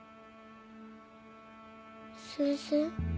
先生。